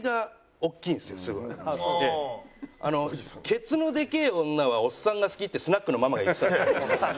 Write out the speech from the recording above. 「ケツのでけえ女はおっさんが好き」ってスナックのママが言ってたんですよ。